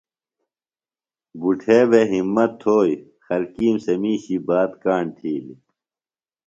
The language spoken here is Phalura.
بُٹھے بھےۡ ہمت تھوئی۔ خلکِیم سےۡ مِیشی بات کاݨ تِھیلیۡ۔